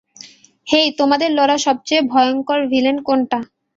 হেই, তোমাদের লড়া সবচেয়ে - ভয়ঙ্কর ভিলেন কোনটা?